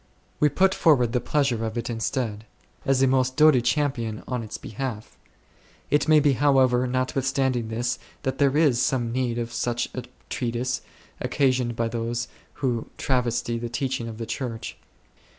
We put forward the pleasure of it instead, as a most doughty champion on its be half. It may be however, notwithstanding this, that there is some need of such a treatise, occa sioned by those who travesty the teaching of the Church.